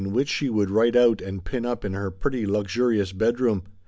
109 V which she would write out and pin up iirher pretty luxurious bedroom.